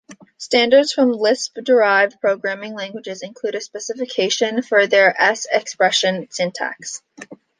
Standards for some Lisp-derived programming languages include a specification for their S-expression syntax.